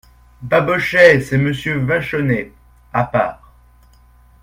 Babochet C'est Monsieur Vachonnet ! à part.